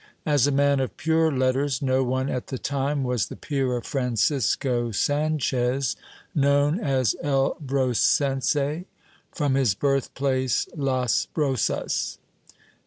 As a man of pure letters, no one at the time was the peer of Francisco Sanchez, known as el Brocense, from his birth place, las Brozas.